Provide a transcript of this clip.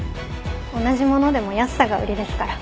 同じものでも安さが売りですから